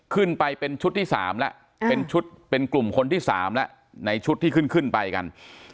ขึ้นไปเป็นชุดที่๓แล้วเป็นชุดเป็นกลุ่มคนที่๓แล้วในชุดที่ขึ้นขึ้นไปกัน